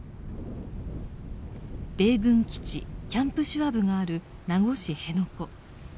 米軍基地キャンプ・シュワブがある名護市辺野古。